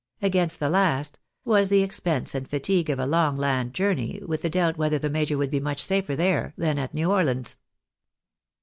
Against the last, was the expense and fatigue of a long land journey, with the doubt whether the major would be much safer there than at New Orleans.